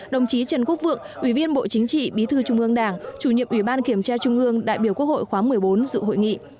đồng chí trần quốc vượng ủy viên bộ chính trị bí thư trung ương đảng chủ nhiệm ủy ban kiểm tra trung ương đại biểu quốc hội khóa một mươi bốn dự hội nghị